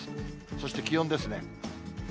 そして気温ですね。